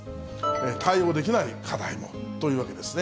対応できない課題もというわけですね。